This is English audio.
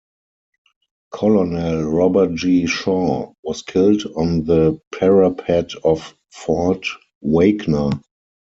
Colonel Robert G. Shaw was killed on the parapet of Fort Wagner.